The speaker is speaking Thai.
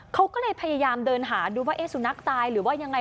เขาก็เลยพยายามเดินหาดูว่าสุนัขตายหรือว่ายังไง